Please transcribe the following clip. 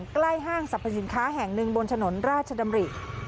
ห้างสรรพสินค้าแห่งหนึ่งบนถนนราชดำริ